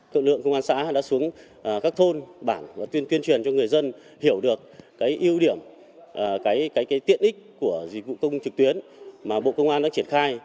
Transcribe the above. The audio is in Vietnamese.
thượng lượng công an xã đã xuống các thôn bản và tuyên truyền cho người dân hiểu được ưu điểm cái tiện ích của dịch vụ công trực tuyến mà bộ công an đã triển khai